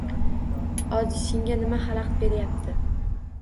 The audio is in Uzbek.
- Ozishingga nima halaqit berayapti?